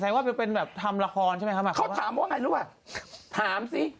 สังเกตุว่าเป็นแบบทำระครใช่ไหมครับเขาถามว่าไงหรือว่าถามสิ